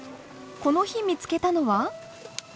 この日見つけたのは？